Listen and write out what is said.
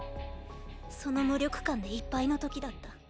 その無力感でいっぱいの時だった。